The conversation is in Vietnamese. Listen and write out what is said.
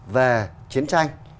về chiến tranh